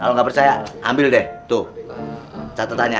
kalo gak percaya ambil deh tuh catetannya